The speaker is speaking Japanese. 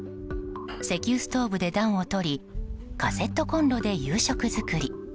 石油ストーブで暖をとりカセットコンロで夕食作り。